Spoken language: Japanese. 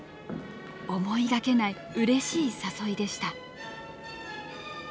思いがけないうれしい誘いでした。